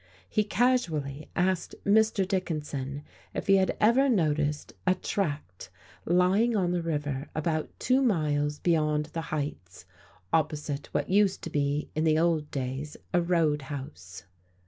He casually asked Mr. Dickinson if he had ever noticed a tract lying on the river about two miles beyond the Heights, opposite what used to be in the old days a road house.